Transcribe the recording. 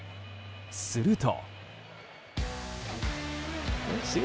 すると。